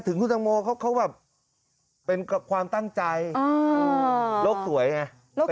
ถึงพุทธศาสนาโมเขาแบบเป็นกับความตั้งใจโล่คสวยไอ้เมื่อก่อน